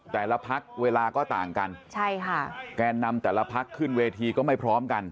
แต่ละพักเวลาก็ต่างกันใช่ค่ะแกนนำแต่ละพักขึ้นเวทีก็ไม่พร้อมกัน